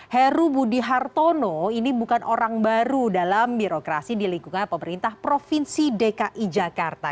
heru budi hartono ini bukan orang baru dalam birokrasi di lingkungan pemerintah provinsi dki jakarta